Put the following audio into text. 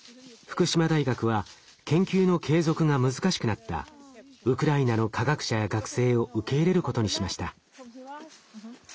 大学は研究の継続が難しくなったウクライナの科学者や学生を受け入れることにしました。